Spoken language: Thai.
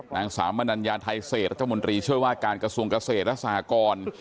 นางสามัญญาไทยเศษรัฐมนตรีเชื่อว่าการกระทรวงเกษตรรัฐสหกร